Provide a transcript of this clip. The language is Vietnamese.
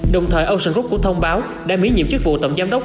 đồng thời ocean group cũng thông báo đã miễn nhiệm chức vụ tổng giám đốc